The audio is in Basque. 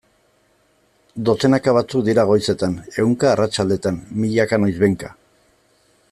Dozenaka batzuk dira goizetan, ehunka arratsaldetan, milaka noizbehinka...